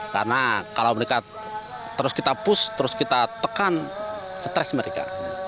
karena kalau mereka terus kita pus terus kita tekan stres mereka